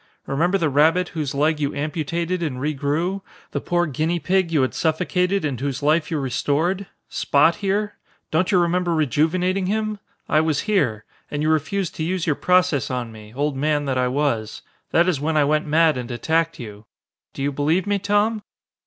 Remember the rabbit whose leg you amputated and re grew? The poor guinea pig you had suffocated and whose life you restored? Spot here? Don't you remember rejuvenating him? I was here. And you refused to use your process on me, old man that I was. Then is when I went mad and attacked you. Do you believe me, Tom?"